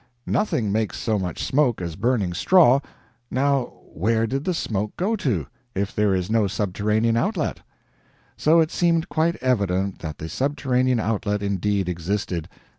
Nothing makes so much smoke as burning straw now where did the smoke go to, if there is no subterranean outlet?" So it seemed quite evident that the subterranean outlet indeed existed.